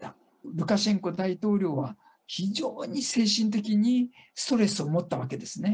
ルカシェンコ大統領は、非常に精神的にストレスを持ったわけですね。